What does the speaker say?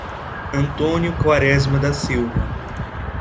Antônio Quaresma da Silva